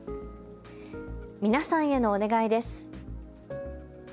皆さんへのお願いです。